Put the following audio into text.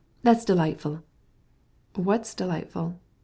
that's delightful!" "What's delightful?"